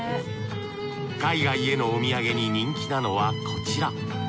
海外へのお土産に人気なのはこちら。